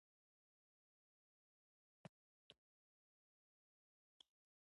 په منځ کې داسې اقشار شته چې نه کارګر دي.